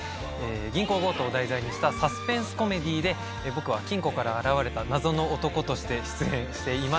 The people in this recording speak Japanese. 銀行強盗を題材にしたサスペンスコメディーで僕は金庫から現れた謎の男として出演しています。